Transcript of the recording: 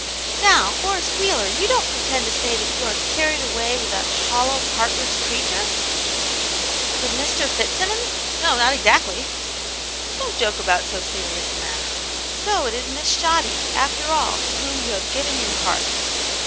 " Now, Horace Wheeler, you don't pretend to say that you are carried away with that hollow, heartless creature !"" With Mr. Fitzsimmons ? No, not exactly." ''Don't joke about so serious a matter. So, it is Miss Shoddy, after all, to whom you have given your heart!"